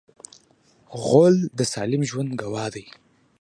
غول د سالم ژوند ګواه دی.